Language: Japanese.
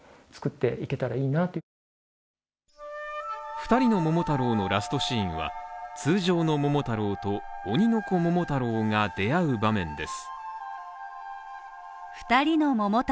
「ふたりのももたろう」のラストシーンは通常の桃太郎と鬼の子桃太郎が出会う場面です。